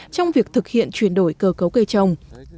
trong việc thực hiện chuyển đổi cơ cấu cây trồng